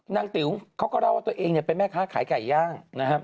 ติ๋วเขาก็เล่าว่าตัวเองเนี่ยเป็นแม่ค้าขายไก่ย่างนะครับ